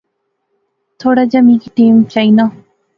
تھوڑا جہیا می کی ٹیم چائینا